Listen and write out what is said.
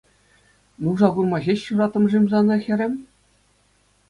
Нуша курма ҫеҫ ҫуратрӑм-шим сана, хӗрӗм.